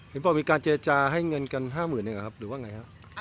เห็นบอกมีการเจรจาให้เงินกัน๕หมื่นอย่างหรือว่าไงครับ